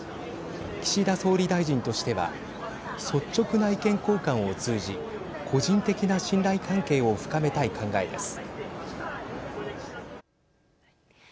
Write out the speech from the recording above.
岸田総理大臣としては率直な意見交換を通じ個人的な信頼関係を深めたい考えです。